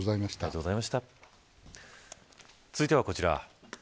続いてはこちら。